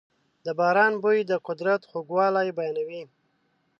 د باران بوی د قدرت خوږوالی بیانوي.